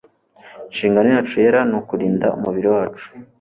Inshingano yacu yera ni ukurinda umubiri wacu